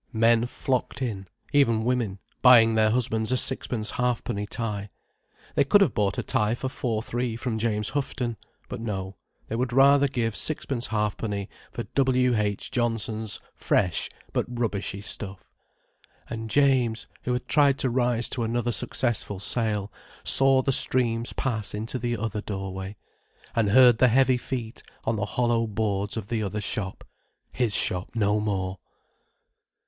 Men flocked in—even women, buying their husbands a sixpence halfpenny tie. They could have bought a tie for four three from James Houghton. But no, they would rather give sixpence halfpenny for W.H. Johnson's fresh but rubbishy stuff. And James, who had tried to rise to another successful sale, saw the streams pass into the other doorway, and heard the heavy feet on the hollow boards of the other shop: his shop no more.